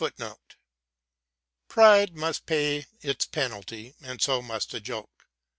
Pride must pay its penalty, and so must a joke.